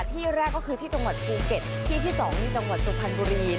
ที่แรกก็คือที่จังหวัดภูเก็ตที่ที่๒นี่จังหวัดสุพรรณบุรี